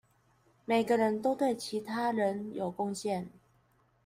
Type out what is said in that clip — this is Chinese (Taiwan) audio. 每個人都對其他人有貢獻